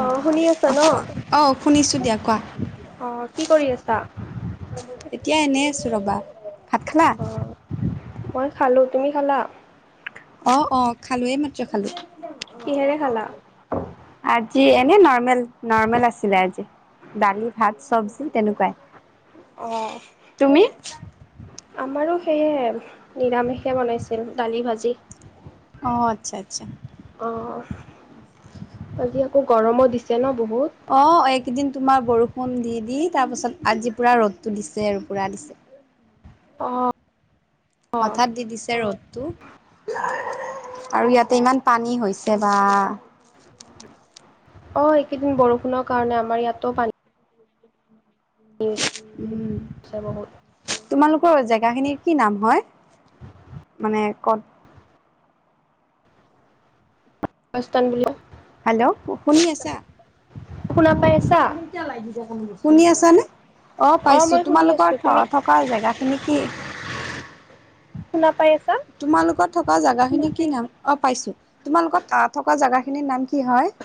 অ শুনি আছা ন, অ শুনিছো দিয়া কোৱা অ কি কৰি আছা? এতিয়া এনেই আছো ৰবা ভাত খালা? অ', মই খালো তুমি খালা? অ অ খালো মাত্ৰ খালো। কিহেৰে খালা? আজি এনে নৰ্মেল নৰ্মেল আছিলে আজি। দালি ভাত চবজি তেনেকুৱাই অ তুমি আমাৰো সেয়ে নিৰামিষে বনাইছিল দালি ভাজি। অ আচ্ছা আচ্ছা অ আজি আকৌ গৰমো দিছে ন বহুত। অ এইকেইদিন তোমাৰ বৰষুণ দি দি তাৰ পাছত আজি পোৰা ৰ'দটো দিছে আৰু পৰা দিছে। অ অ', হঠাৎ দি দিছে ৰ'দটো। আৰু ইয়াতে ইমান পানী হৈছে বা অ এইকেইদিন বৰষুণৰ কাৰণে আমাৰ ইয়াতো পানী উম হৈছে বহুত। তোমালোকৰ জেগাখিনিৰ কি নাম হয় মানে কত? গছতন বুলি কয় হেল্ল' শুনি আছা? শুনা পাইছা শুনি আছ নে অ পাইছো মই শুনি তোমালোকৰ আছোঁ, থ তুমি থকা জেগা খিনি কি? শুনা পাই আছা তোমালোকৰ থকা জোগাখিনি কি নাম? অ পাইছো তোমালোকৰ থকা জাগাখিনিৰ নাম কি হয়?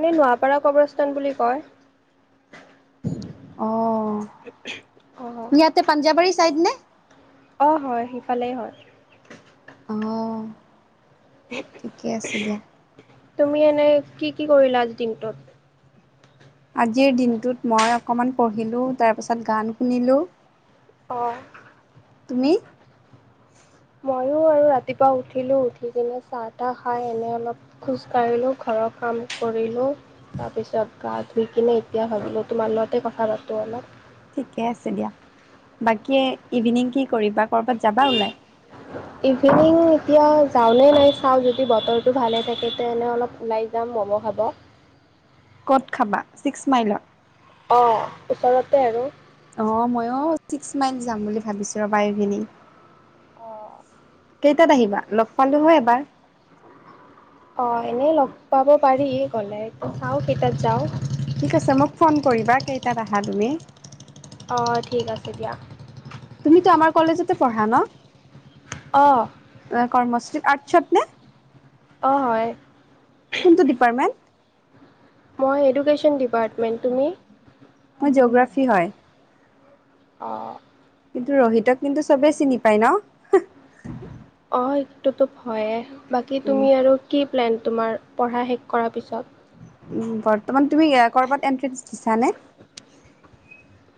এনে নোৱাপাৰা কবৰস্থান বুলি কয়। অ অ', ইয়াতে পাঞ্জাবাৰী চাইদ নে। অ হয় সিফালেই হয়। অ ঠিকে আছে দিয়া। তুমি এনে কি কি কৰিলা আজি দিনটোত। আজিৰ দিনটোত মই অকণমান পঢ়িলোঁ তাৰপাছত গান শুনিলো। অ তুমি ময়ো আৰু ৰাতিপুৱা উঠিলো উঠি কিনে চাহ তাহ খাই এনে অলপ খোজ কাঢ়িলো ঘৰৰ কাম কৰিলো তাৰপিছত গা ধুই কিনি এতিয়া ভাবিলেতো তোমাৰ লগত কথা পাতো অলপ ঠিকে আছে দিয়া বাকি ইভিনিং কি কৰিবা কৰ'বাত যাবা ওলাই উ ইভিনিং এতিয়া যাওনে নাই চাও যদি বতৰতো ভালে থাকে তেনে অলপ ওলাই যাম মম খাব ক'ত খাবা ছিক্স মাইলত অ ওচৰতে আৰু। অ ময়ো ছিক্স মাইল যাম বুলি ভাবিছো ৰ'বা এইবেলি অ কেইটাত আহিবা লগ পালো হয় এবাৰ। অ এনেই লগ পাব পাৰি গলে চাও কেইটাত যাও। ঠিক আছে মোক ফোন কৰিবা কেইটাত আহা তুমি। অ ঠিক আছে দিয়া। তুমিতো আমাৰ কলেজতে পঢ়া ন। অ অ কৰ্মস্থলীত আৰ্টছত নে। অ হয় কোনটো ডিপাৰ্টমেণ্ট। মই এডুকেশ্যন ডিপাৰ্টমেণ্ট তুমি মোৰ জিঅ'গ্ৰাফী হয়। অ কিন্তু ৰহিতক কিন্তু চবেই চিনি পায় ন। অ সেইটোতো ভয়েই বাকী উম, তুমি আৰু কি প্লেন তোমাৰ পঢ়া শেষ কৰাৰ পিছত উ বৰ্তমান তুমি এয়াৰ কৰবাত এন্ট্ৰেঞ্চ দিছা নে।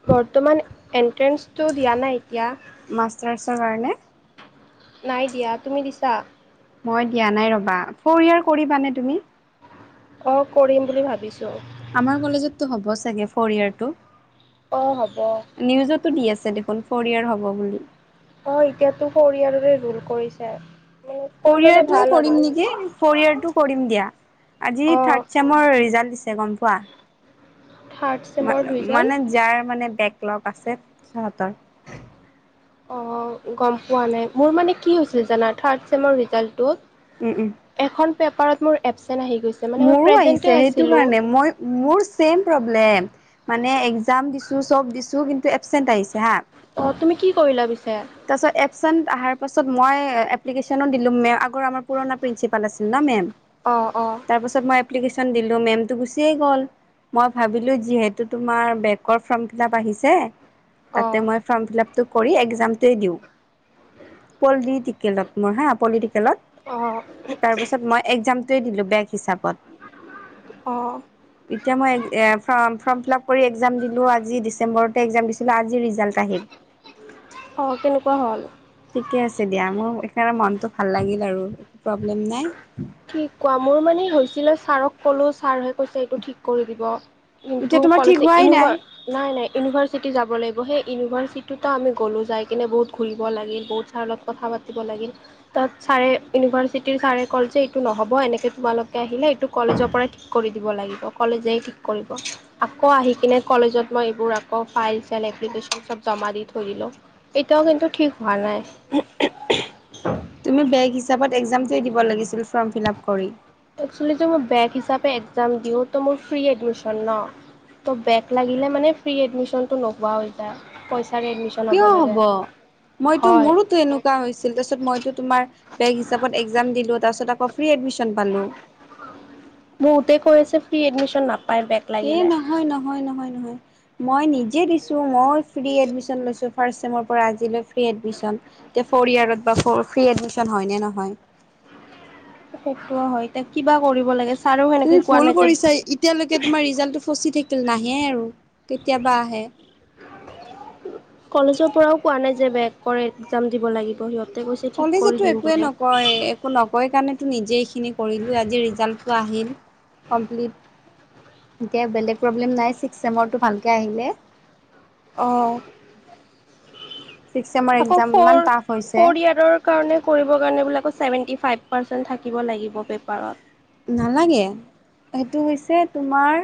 বৰ্তমান এন্ট্ৰেন্ঞ্চটো দিয়া নাই এতিয়া। মাষ্টাৰছৰ কাৰণে। নাই দিয়া তুমি দিছা। মই দিয়া নাই ৰ'বা ফৰ ইয়াৰ কৰিবা নে তুমি। অ কৰিম বুলি ভাবিছো। আমাৰ কলেজততো হ'ব চাগে ফ'ৰ ইয়াৰটো। অ হ'ব নিউজতো দি আছে দেখোন ফ'ৰ ইয়েৰ হ'ব বুলি। অ এতিয়াতো ফৰ ইয়ালৰে ভোল কৰিছে। মানে কৰি ফৰ ল'লে ভাল ইয়েৰটোয়ে আৰু কৰিম নেকি। ফ'ৰ ইয়েৰটো কৰিম দিয়া আজি অঁ থাৰ্ড চেমৰ ৰিজাল্ট দিছে গম পোৱা। থাৰ্ড মা চেমৰ ৰিজাল্ট মানে যাৰ মানে বেকলগ আছে সিহঁতৰ অ গম পোৱা নাই মোৰ মানে কি হৈছিল জানা থাৰ্ড চেমৰ ৰিজাল্টো উম উম এখন পেপাৰত মোৰ এপচেণ্ট আহি গৈছে। মানে মই মোৰো প্ৰেজেণ্টেই আহিছে সেইটো আছিলোঁ কাৰণে মই মোৰ চেম প্ৰব্লেম মানে একজাম দিছো চব দিছো কিন্তু এবচেণ্ট আহিছে হা। অ তুমি কি কৰিলা পিছে? তাৰপাছত এপচেন্ত আহা পাছত মই এপ্লিকেশনো দিলো মে আগ আমাৰ পুৰণা প্ৰিঞ্চিপাল আছিল ন মেম। অ অ তাৰপাছত মই এপ্লিকেশ্যন দিলো মেমটো গুচিয়ে গ'ল মই ভাবিলোঁ যিহেতু তোমাৰ বেকৰ ফৰ্ম ফিলাপ আহিছে। তাতে অ', মই ফৰ্ম ফিলাপটো কৰি একজামটোৱে দিও। পলিটিকেলত মোৰ হা পলিটিকেলত। অ', তাৰ পিছত মই এক্জামটোৱে দিলো বেগ হিচাপত। অ। এতিয়া মই ফ ফৰ্ম ফিলাপ কৰি এক্সাম দিলোঁ আজি ডিচেম্বৰতে এক্সাম দিছিলোঁ আজি ৰিজাল্ট। আহিল। অ কেনেকুৱা হ'ল। ঠিকে আছে দিয়া মোৰ সেইকাৰণে মনটো ভাল লাগিল আৰু একো প্ৰব্লেম নাই। কি কোৱা মোৰ মানে হৈছিলে ছাৰক ক'লো ছাৰ হৈব- পইচাটো ঠিক কৰি দিব এতিয়া কিন্তু তোমাৰ ঠিক কলেজ হোৱাই নাই ইউনিভাৰ- নাই নাই ইউনিভাৰ্চিটি যাব লাগিব সেই ইউনিভাৰ্চিটিটো আমি গ'লো যাই কিনে বহুত ঘূৰিব লাগে বহুত ছাৰ লগ- কথা পাতিব লাগিল তাত ছাৰে ইউনিভাৰ্চ- চিটিৰ ছাৰে ক'ল যে এইটো নহ'ব এনেকৈ তোমালোকে আহিলে এইটো কলেজৰ পৰাই ঠিক কৰি দিব লাগিব। কলেজেই ঠিক- কৰিব। আকৌ আহি কিনে কলেজত মই এইবোৰ আকৌ ফাইলছ বেলেগ এপ্লিকেশন চব জমা দি থৈ দিলো। এতিয়াও কিন্তু ঠিক হোৱা নাই। তুমি বেগ হিচাপত এক্সজামটোৱে দিব লাগিছিল ফৰ্ম ফিলাপ কৰি। একচুৱেলিটো মই বেগ হিচাপে এক্সাম দিওঁ ত মোৰ ফ্ৰী এডমিশ্যন ন। ত' বেগ লাগিলে মানে ফ্ৰী এডমিশ্যনটো নোহোৱা হৈ যায় পইচাৰে এডমিশ্যন। কিয় হব মইতো হয় মোৰোতো এনেক- কা হৈছিল তাৰছত মইতো তোমাৰ বেগ হিচাপত একজাম দিলো তাৰপিছত আকৌ ফ্ৰী এডমিশ্যন পালো। বহুতে কৈ আছে ফ্ৰী এডমিশ্যন নাপাই বেগ এ নহয় নহয় নহয় নহয়। মই নিজে দিছোঁ, ময়ো ফ্ৰী এডমিশ্যন লৈছোঁ ফাৰ্ষ্ট ছেমৰ পৰা আজিলৈ ফ্ৰী এডমিশ্যন। এতিয়া ফ'ৰ ইয়াৰত বা ফ্ৰী এডমিশ্যন হয় নে নহয়। সেটো হয় এতা কিবা কৰিব লাগেছ- তুমি ভুল কৰিছা এতিয়ালৈকে তোমাৰ ৰিজাল্টটো ফচি থাকিল নাহে আৰু কেতিয়াবা আহে। কলেজৰ পৰাও কোৱা নাই যে বেগ কৰে এক্সাম দিব লাগিব সিহঁত। তাতে কৈছে ঠিক কৰি দিম বোলে। কয় একো নকয় কাৰণেটো নিজে এইখিনি কৰিলো আজি ৰিজাল্টটো আহিল। কমপ্লিট এতিয়া বেলেগ প্ৰব্লেম নাই ছিক্স চেমৰটো ভালকে আহিলে। অ। ছিক্স চেমৰ আকৌ এক্সাম ইমান ফৰ টাফ হৈছে ফ'ৰ ইয়াৰৰ কাৰণে কৰিবৰ কাৰণে বোলে আকৌ ছেভেন্টি ফাইভ পাৰ্চেণ্ট থাকিব লাগিব পেপাৰত। নালাগে সেইটো হৈছে তোমাৰ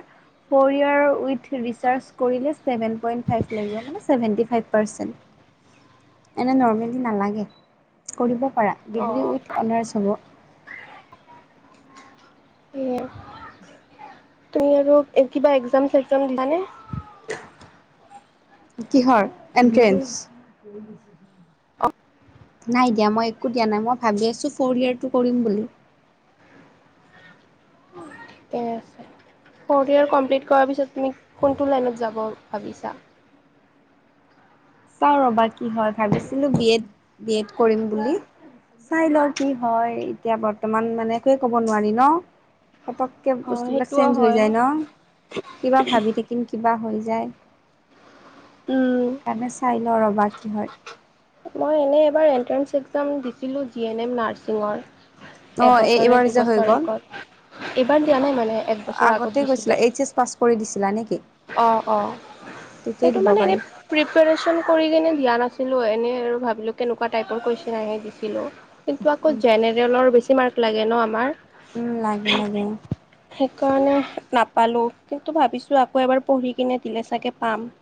ফ'ৰ ইয়াৰ উইথ ৰিচাৰ্জ কৰিলে ছেভেন পইণ্ট ফাইভ লাগিব মানে ছেভেণ্টি ফাইভ পাৰ্চেণ্ট। [inaudible] এনে নৰ্মেলি নালাগে কৰিব পাৰা ডিগ্ৰী অ' উইথ অনাৰছ হ'ব। [inaudible] তুমি আৰু কিবা এক্সাম চেগজাম দিছানে? কিহৰ এন্ট্ৰেন্স। [unintelligible] অ। নাই দিয়া মই একো দিয়া নাই মই ভাবি আছো ফ'ৰ ইয়েৰটো কৰিম বুলি। ঠিকে আছে। ফৰ্ড ইয়েৰ কমপ্লিট কৰাৰ পিছত তুমি কোনটো লাইনত যাব ভাবিছা? চাও ৰবা কি হয় ভাবিছিলো বি এড, বি এড কৰিম বুলি। চাই ল কি হয় এতিয়া বৰ্তমান মানে একোৱেই কব নোৱাৰি ন। কেব অ' বস্তুবিলাক সেইটোও চেঞ্জ হৈ হয়। যায় ন। কিবা ভাবি থাকিম কিবা হৈ যায় উম, সেইকাৰণে ল ৰ'বা কি হয় মই এনেই এবাৰ এন্ট্ৰেঞ্চ এক্সাম দিছিলোঁ জি এন এম নাৰ্ছিঙৰ। অ এই এবছৰে এইবাৰ যে হৈ দুবছৰে গ'ল আগত। এইবাৰ দিয়া নাই মানে একবছৰ আগতে আগত গৈছিলা দিছিলোঁ। এইচ এছ পাছ কৰি দিছিলা নেকি অ অ তেতিয়াই দিব পাৰি। প্ৰিপেৰেছন কৰি কিনে দিয়া নাছিলোঁ এনেই আৰু ভাবিলোঁ কেনেকুৱা টাইপৰ কুৱেশচন আহে দিছিলোঁ। কিন্তু আকৌ উম জেনেৰেলৰ বেছি মাৰ্ক লাগে ন আমাৰ উম লাগে লাগে। সেইকাৰণে নাপালোঁ কিন্তু ভাবিছোঁ আকৌ এবাৰ পঢ়ি কিনে দিলে চাগে পাম [unintelligible]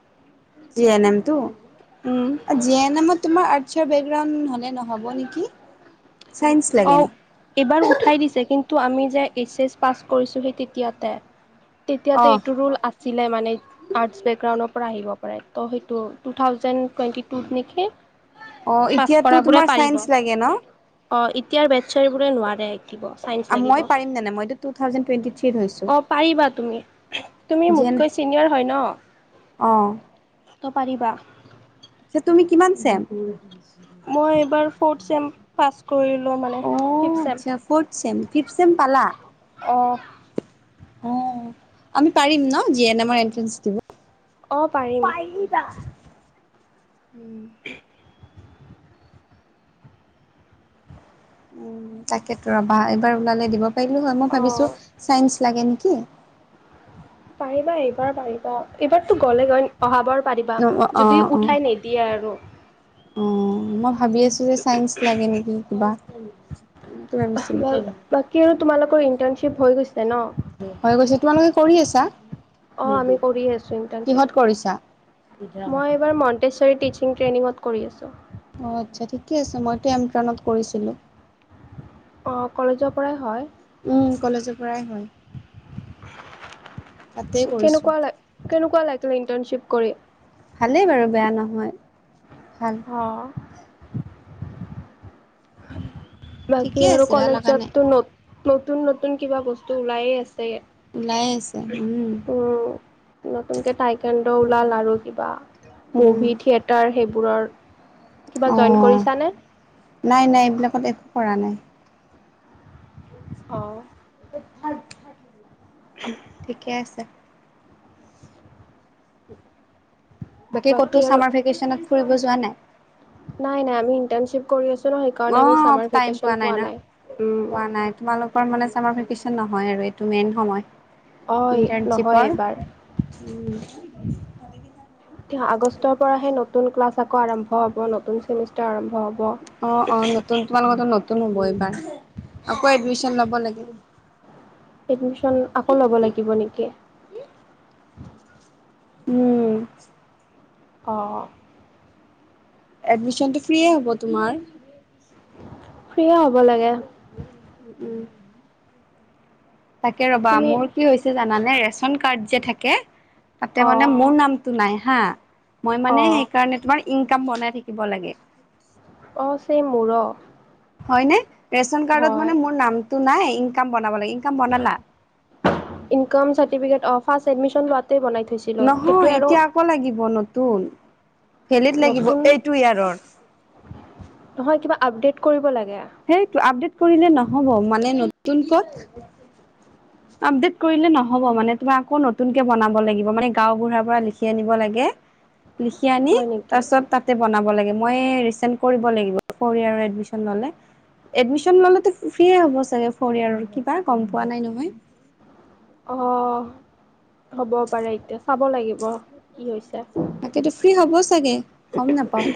জি এন এম টো উম, জি এন এমত তোমাৰ আৰ্টছৰ ব্ৰেক গ্ৰাউণ্ড হলে নহব, হ'ব নেকি চাইন্ঞ্চ লাগে অ', নেকি? এইবাৰ উঠাই দিছে কিন্তু আমি যে এইচ এছ পাছ কৰিছোঁ সেই তেতিয়াতে অ তেতিয়াতে এইটো ৰোল আছিলে মানে আৰ্টছ বেকগ্ৰাউণ্ডৰ পৰা আহিব পাৰে ত' সেইটো টু থাউজেণ্ড টুৱেণ্টি টুত নেকি অ পাছ এতিয়াতো কৰাবোৰে তোমাৰ অ চাইন্স লাগে ন এতিয়া বাটচা বোৰে নোৱাৰে চাইন্স লাগিব মই পাৰিম নে নাই মইতো টু থাউজেণ্ড টুৱেণ্টি থ্ৰীত হৈছোঁ অ পাৰিবা তুমি তুমি মোতকৈ ছিনিয়ৰ হয় ন, অহ পাৰিবা তুমি কিমান চেম মই এইবাৰ ফ'ৰ্থ চেম্প পাছ কৰিলোঁ মানে ফিফথ চেম্প ছ ফৰ্থ চছেম ফিফথ ছেম পালা অহ অ আমি পাৰিম ন জি এন এমৰ এট্ৰেন্ঞ্চ দিব অ', পাৰিম পাৰিবা উম [unintelligible] উ তাকেতো ৰবা এইবাৰ ওলালে দিব পাৰিলো হয় মই অ', ভাবিছো চাইন্ঞ্চ লাগে নেকি? পাৰিবা এইবাৰ পাৰিবা এইবাৰতো গ'লে গৈ অহাবাৰ পাৰিবা অ', যদি অ', অ', উঠাই নিদ দিয়ে আৰু অ মই ভাবি আছোঁ যে চাইন্ঞ্চ লাগে নেকি কিবা, এনেকে ভাবিছিলো বাকী আৰু তোমালোকৰ ইণ্টাৰ্ণশ্বিপ হৈ গৈছে ন? হৈ গৈছে তোমালোকে কৰি আছা? অ আমি কৰিয়ে আছো কিহত কৰিছা? ইন্টাৰ্ণশ্বিপ মই এইবাৰ টেছাৰী টিচিং ট্ৰেইনিঙত কৰি আছোঁ। অহ আচ্ছা ঠিকে আছে মইটো এমট্ৰনত কৰিছিলোঁ। অহ কলেজৰ পৰাই হয় ওহ কলেজৰ পৰাই হয়। তাতেই কৰিছো কেনেকুৱা লাগ কেনেকুৱা লাগিলে ইন্টাৰ্ণশ্বিপ কৰি? ভালেই বাৰু বেয়া নহয় ভাল অহ বাকী ঠিকে আৰু আছে বেয়া লগা নাই কলেজতো নতুন নতুন কিবা বস্তু ওলাই আছে ইয়াত, ওলাই আছে উম। উম নতুনকে টাইকাণ্ড ওলাল আৰু কিবা উম, মুভি থিয়েটাৰ সেইবোৰৰ কিবা জইন অ', কৰিছা নে? নাই নাই এইবিলাকত একো কৰা নাই। অঁ, এ ঠাত হ [unintelligible] ঠিকে আছে। বাকী ক'তো ছামাৰ ভেকেশচনত ফুৰিব যোৱা নাই নাই নাই আমি ইন্টাৰ্ণশ্বিপ কৰি আছোঁ নহ অ সেইকাৰণে চামাৰ ভেকেচন পোৱা নাই উম পোৱা নাই তোমালোকৰ মানে চামাৰ ভেকেচন নহয় আৰু এইটো মেইন সময় অয় নহয় ইণ্টাণশ্বিপৰ এইবাৰ। উম আগষ্টৰ পৰাহে নতুন ক্লাছ আকৌ আৰম্ভ হ'ব নতুন চেমিষ্টাৰ আৰম্ভ হ'ব। অ অ নতুন তোমালোকো নতুন হ'ব এইবাৰ আকৌ এডমিশন ল'ব লাগিব। এডমিশন আকৌ ল'ব লাগিব নেকি? উম, অ, এডমিশ্যনটো ফ্ৰিয়েই হ'ব তোমাৰ- ফ্ৰি হ'ব লাগে। উ উম, তাকে ৰবা তুমি মোৰ কি হৈছে। জানানে ৰেচন কাৰ্ড যে থাকে তাতে মানে অ', মোৰ নাম- তো নাই হা মই মানে অ', সেইকাৰণে তোমাৰ ইনকাম বনাই থাকিব লাগে। অ চেম মূৰ হয়নে ৰেচন কাৰ্ডত মানে মোৰ নামটো নাই ইনকাম বনাব লাগে ইনক বনালা? ইনকম চাৰ্টিফিকেট অ ফাৰ্ষ্ট এডমিশ্যন লোৱাতে বনাই থইছো। নহয় এতিয়া আকৌ লাগিব নতুন ভেলিড লাগিব নতুন এইটো ইয়াৰৰ নহয় কিবা আপডেট কৰিব লাগে। সেইটো আপডেট কৰিলে নহ'ব মানে নতুন পথ- উ আপডেট কৰিলে নহ'ব মানে তোমাৰ আকৌ নতুনকে বনাব লাগিব মানে গাওঁ বুঢ়াৰ পৰা লিখি আনিব লাগে। [inaudible] লিখি আনি হয় নেকি তাৰপিছত- তাতে বনাব লাগে মই ৰিচেন্ কৰিব লাগিব ফ'ৰ ইয়েৰৰএডমিশন ল'লে। এডমিশন ললে ফ্ৰী হ'ব চাগে ফ'ৰ ইয়াৰৰ কিবা গম পোৱা নাই নহয়। অ হ'ব পাৰে এতিয়া চাব লাগিব কি হৈছে। তাকেতো ফ্ৰী হ'ব চাগে গম নাপাওঁ।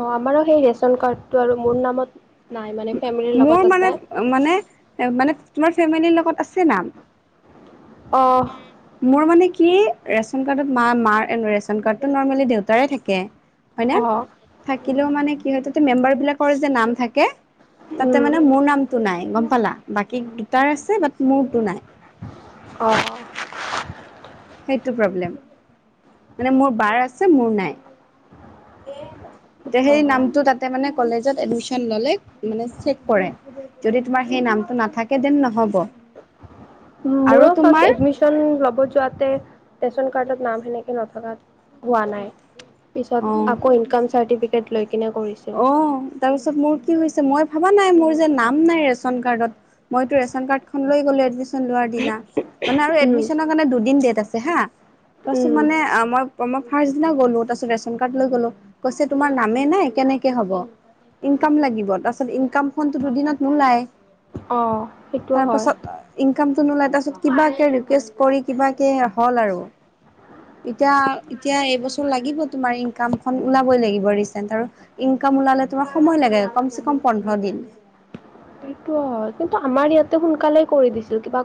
অ আমাৰো সেই ৰেচন কাৰ্ডটো আৰু মোৰ নামত নাই মানে ফেমিলিৰ মোৰ লগত মানে আছে। মানে মানে তোমাৰ ফেমিলিৰ লগত আছে নাম - অ, মোৰ মানে কি ৰেচন কাৰ্ডত মা মাৰ ৰেচন কাৰ্ডটো নৰ্মেলি দেউতাৰে থাকে। অ হয়নে থাকিলেও মানে কি হয় মেম্বাৰ বিলাকৰ যে নাম থাকে। তাতে উম মানে মোৰ নামটো নাই গম পালা বাকী দুটাৰ আছে বাট মোৰতো নাই। অ, সেইটো প্ৰব্লেম মানে মোৰ বাৰ আছে মোৰ নাই। তে অ সেই নামটো তাতে মানে কলেজত এডমিশ্যন ল'লে মানে চেক কৰে। যদি তোমাৰ সেই নামটো নাথাকে ডেন নহ'ব। [unintelligible] মোৰ আৰু ফাৰ্ষ্ট তোমাৰ এডমিশ্যন ল'ব যোৱাতে ৰেচন কাৰ্ডৰ নাম সেনেকে নথকা। হোৱা নাই পিছত অ আকৌ ইনকাম চাৰ্টিফিকেট লৈ কিনে কৰিছোঁ। অ', তাৰপিছত মোৰ কি হৈছে। মই ভাবা নাই মোৰ যে নাম নাই ৰেচন কাৰ্ডত- মইতো ৰেচন কাৰ্ডখন লৈ গ'লে এডমিশ্যন - হে লোৱাৰ দিনা মানে আৰু উম এডমিশ্যন কাৰণে দুদিন ডেট আছে বা তাৰপিছত উম মানে আ মই মই ফাৰ্ষট দিনা গলোঁ তাৰপিছত ৰেচন কাৰ্ড লৈ গ'লো কৈছে তোমাৰ নামেই নাই কেনেকে হ'ব। ইনকাম লাগিব তাৰপাছত ইনকামখনটো দুদিনত নোলাই অ' সেইটোও হয়, তাৰপাছত ইনকামটো নোলাই তাৰপিছত কিবাকে ৰিকুৱেষ্ট কৰি কিবাকে হ'ল আৰু এতিয়া এতিয়া এইবছৰ লাগিব তোমাৰ ইনকাম খন ওলাবই লাগিব ৰিচেন্ট আৰু। ইনকাম ওলালে তোমাৰ সময় লাগে কমচে কম পোন্ধৰ দিন। সেইটো কিন্তু আমাৰ ইয়াতে সোনকালে কৰি দিছিল কিবা।